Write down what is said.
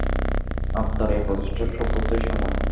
আত্মার এই প্রচেষ্টা সর্বত্রই সমান।